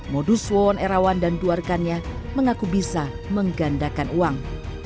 modus wawon erawan dan dua rekannya mengaku bisa menggandakan uang